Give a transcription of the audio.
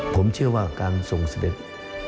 ผมเชื่อว่าการทรงเสด็จ